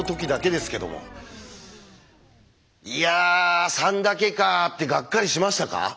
「いや３だけか」ってがっかりしましたか？